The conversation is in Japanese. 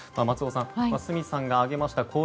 松尾さん、角さんが挙げました